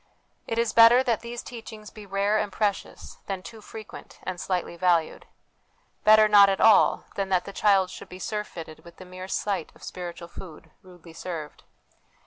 It is better that these teachings be rare and precious, than too frequent and slightly valued ; better not at all, than that the child should be surfeited with the mere sight of spiritual food, rudely served.